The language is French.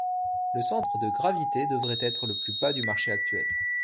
Le centre de gravité devrait être le plus bas du marché actuel.